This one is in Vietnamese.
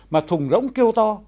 mà thùng rỗng kêu to